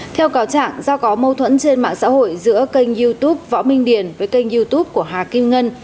theo cáo trạng do có mâu thuẫn trên mạng xã hội giữa kênh youtube võ minh điền với kênh youtube của hà kim ngân